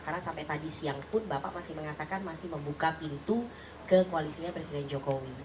karena sampai tadi siang pun bapak masih mengatakan masih membuka pintu ke koalisinya presiden jokowi